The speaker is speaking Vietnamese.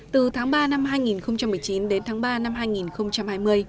từ tháng ba năm hai nghìn một mươi chín đến tháng ba năm hai nghìn hai mươi